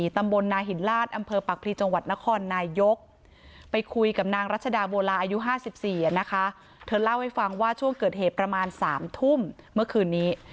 เธอเล่าให้ฟังว่าช่วงเกิดเหตุประมาณ๓ทุ่มเมื่อคืนนี้